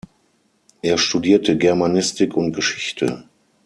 Er studierte Germanistik und Geschichte.